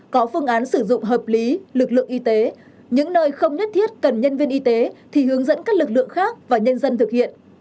có phương án sử dụng hợp lý lực lượng y tế những nơi không nhất thiết cần nhân viên y tế thì hướng dẫn các lực lượng khác và nhân dân thực hiện